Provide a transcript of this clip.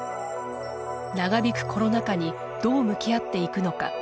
長引くコロナ禍にどう向き合っていくのか。